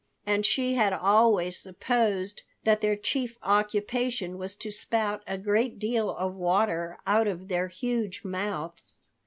And she had always supposed that their chief occupation was to spout a great deal of water out of their huge mouths.